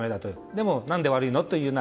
でも、何で悪いのという。